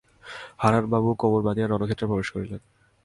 হারানবাবু কোমর বাঁধিয়া রণক্ষেত্রে প্রবেশ করিলেন।